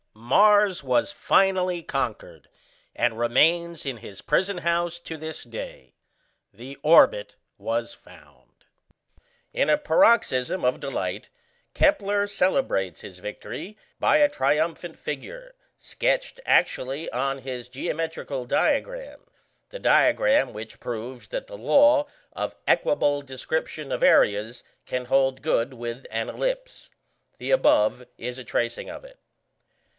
Mars was finally conquered, and remains in his prison house to this day. The orbit was found. [Illustration: FIG. 32.] In a paroxysm of delight Kepler celebrates his victory by a triumphant figure, sketched actually on his geometrical diagram the diagram which proves that the law of equable description of areas can hold good with an ellipse. The above is a tracing of it.